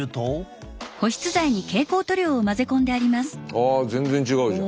ああ全然違うじゃん。